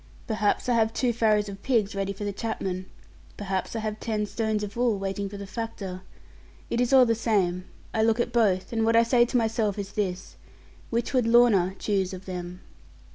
Perhaps I have two farrows of pigs ready for the chapman; perhaps I have ten stones of wool waiting for the factor. It is all the same. I look at both, and what I say to myself is this: 'Which would Lorna choose of them?'